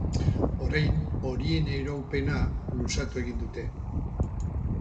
Orain, horien iraupena luzatu egin dute.